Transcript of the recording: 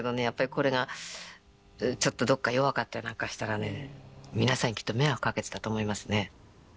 これがちょっとどこか弱かったりなんかしたらね皆さんにきっと迷惑かけてたと思いますね。